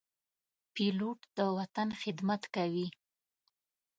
پیلوټ د وطن خدمت کوي.